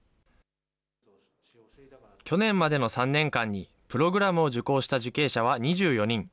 去年までの３年間に、プログラムを受講した受刑者は２４人。